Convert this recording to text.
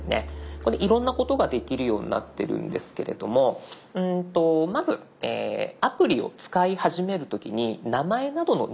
ここでいろんなことができるようになってるんですけれどもまずアプリを使い始める時に名前などの入力が必要になっています。